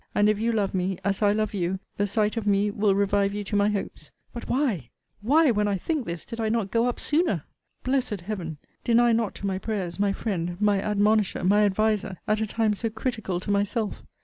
And if you love me, as I love you, the sight of me will revive you to my hopes. But why, why, when I can think this, did I not go up sooner! Blessed Heaven! deny not to my prayers, my friend, my admonisher, my adviser, at a time so critical to myself.